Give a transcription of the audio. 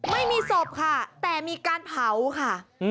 ไม่มีศพค่ะแต่มีการเผาค่ะ